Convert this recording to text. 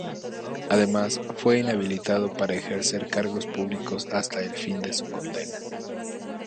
Además, fue inhabilitado para ejercer cargos públicos hasta el fin de su condena.